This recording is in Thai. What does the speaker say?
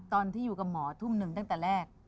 ตอนที่อยู่กับหมอทุ่มหนึ่งตั้งแต่แรก